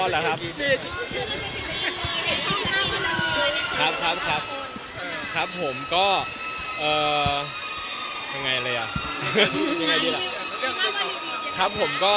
ละครและครับ